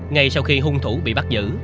ngay sau khi hung thủ bị bắt giữ